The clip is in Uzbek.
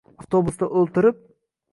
Avtobusda o’ltirib.